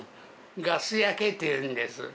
ガス焼けっていうんです。